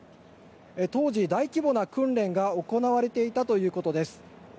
当時、大規模な訓練が行われていたということです。